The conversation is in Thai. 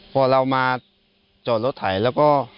พอเรามาจอดรถไถแล้วก็